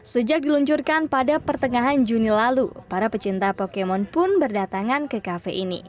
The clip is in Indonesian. sejak diluncurkan pada pertengahan juni lalu para pecinta pokemon pun berdatangan ke kafe ini